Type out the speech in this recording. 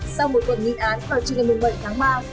sau một cuộc nghị án vào chương trình một mươi bảy tháng ba